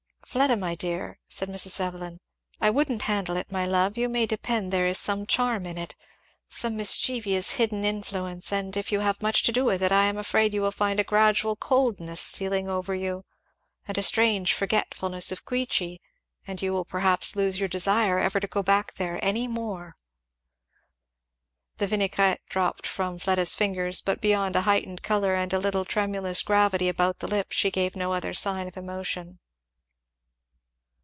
"Fleda my dear," said Mrs. Evelyn, "I wouldn't handle it, my love; you may depend there is some charm in it some mischievous hidden influence, and if you have much to do with it I am afraid you will find a gradual coldness stealing over you, and a strange forgetfulness of Queechy, and you will perhaps lose your desire ever to go back there any more." The vinaigrette dropped from Fleda's fingers, but beyond a heightened colour and a little tremulous gravity about the lip, she gave no other sign of emotion.